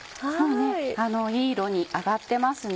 いい色に揚がってますね。